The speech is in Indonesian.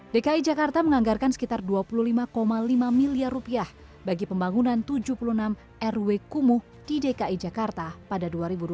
dki jakarta menganggarkan sekitar dua puluh lima lima miliar rupiah bagi pembangunan tujuh puluh enam rw kumuh di dki jakarta pada dua ribu dua puluh